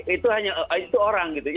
itu hanya itu orang gitu ya